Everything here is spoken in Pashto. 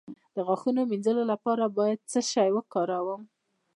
د غاښونو د مینځلو لپاره باید څه شی وکاروم؟